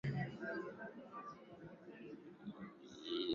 Hali ya hewa ya Mkoa wa Kagera kwa ujumla